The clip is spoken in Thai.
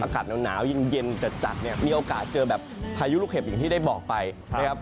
อากาศหนาวเย็นจัดเนี่ยมีโอกาสเจอแบบพายุลูกเห็บอย่างที่ได้บอกไปนะครับ